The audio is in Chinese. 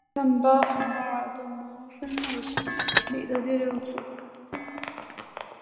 它们包含巴尔的摩分类系统里的第六组。